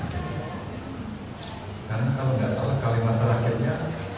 karena kalau gak salah kalimat terakhirnya